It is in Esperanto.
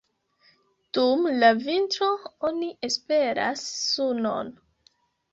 Dum la vintro oni esperas sunon.